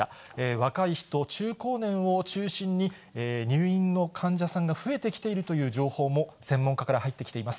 若い人、中高年を中心に入院の患者さんが増えてきているという情報も、専門家から入ってきています。